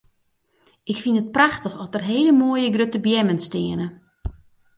Ik fyn it prachtich at der hele moaie grutte beammen steane.